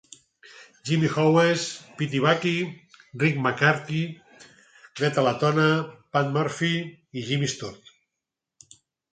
Jimmy Howes, Pete Bucky, Rich McCarthy, Greta Latona, Pat Murphy i Jimmy Sturr.